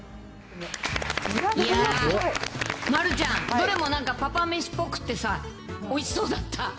いやー、丸ちゃん、どれもなんか、パパめしっぽくてさ、おいしそうだった。